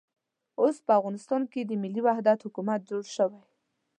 اوس په افغانستان کې د ملي وحدت حکومت جوړ شوی.